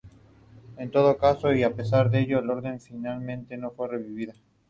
En todo caso y a pesar de ello la orden finalmente no fue revivida.